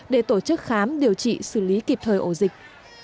để tổ chức khám điều trị xử lý kịp thời ổ dịch